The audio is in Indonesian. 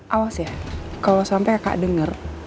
awas ya kalau sampe kak denger